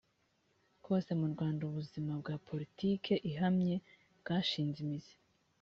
kose mu rwanda ubuzima bwa poritiki ihamye bwashinze imizi